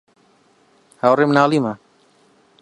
هاوڕێی منداڵیمە.